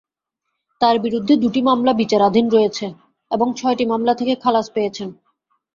তাঁর বিরুদ্ধে দুটি মামলা বিচারাধীন রয়েছে এবং ছয়টি মামলা থেকে খালাস পেয়েছেন।